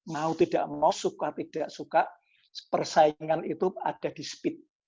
mau tidak mau suka tidak suka persaingan itu ada di speed